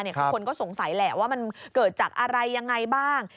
คือคนก็สงสัยแหละว่ามันเกิดจากอะไรยังไงบ้าง